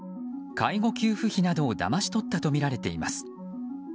介護給付金などをだまし取ったとみられています。